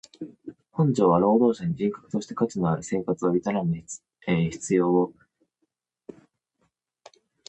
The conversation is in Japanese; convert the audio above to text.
本条は労働者に人格として価値ある生活を営む必要を充すべき労働条件を保障することを宣明したものであつて本法各条の解釈にあたり基本観念として常に考慮されなければならない。